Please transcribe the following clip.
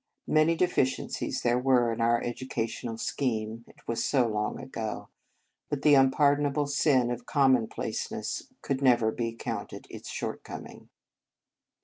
Many deficiencies there were in our educa tional scheme, it was so long ago, but the unpardonable sin of com monplaceness could never be counted its shortcoming.